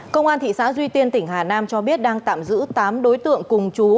công an thị xã duy tiên tỉnh hà nam cho biết đang tạm giữ tám đối tượng cùng chú